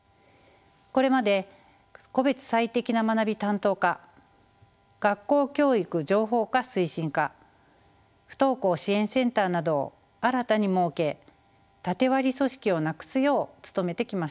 これまで個別最適な学び担当課学校教育情報化推進課不登校支援センターなどを新たに設け縦割り組織をなくすよう努めてきました。